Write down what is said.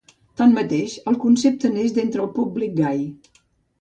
Tanmateix, el concepte neix d'entre el públic gai.